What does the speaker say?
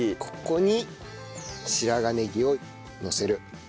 ここに白髪ねぎをのせる。